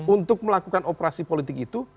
untuk melakukan operasi politik itu